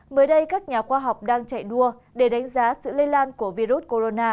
mới đây các nhà khoa học đang chạy đua để đánh giá sự lây lan của virus corona